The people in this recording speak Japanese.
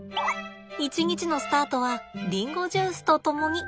一日のスタートはりんごジュースと共に。